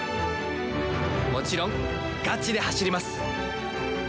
もちろんガチで走ります。